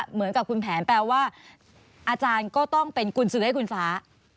เหมือนกับคุณแผนแปลว่าอาจารย์ก็ต้องเป็นกุญสือให้คุณฟ้า